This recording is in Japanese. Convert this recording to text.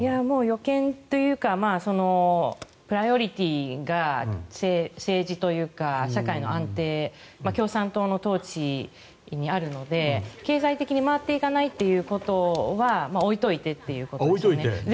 予見というかプライオリティーが政治というか社会の安定共産党の統治にあるので経済的に回っていかないということは置いておいてということですね。